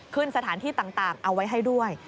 ขึ้นสถานที่ต่างเอาไว้ให้ด้วย